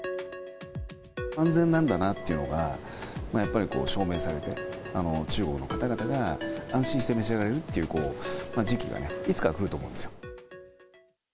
安全なんだなというのがやっぱり証明されて、中国の方々が安心して召し上がれるという時期がいつかは来ると思うんですよ。